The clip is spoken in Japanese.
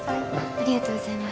ありがとうございます